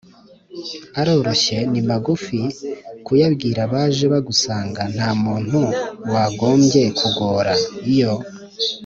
aroroshye. ni magufi, kuyabwira abaje bagusanga nta muntu byagombye kugora. iyo